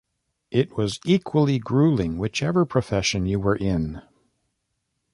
It was equally gruelling whichever profession you were in.